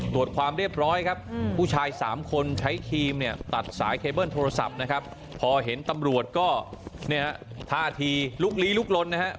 ตรวจความเรียบร้อยครับผู้ชาย๓คนใช้ขี่มตัดสายเคเบิ้ลโทรศัพท์นะครับพอเห็นตำรวจก็ท่าทีลุกลีลุกลนนะครับ